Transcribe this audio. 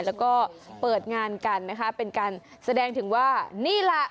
แล้วก็เปิดงานกันนะคะเป็นการแสดงถึงว่านี่แหละ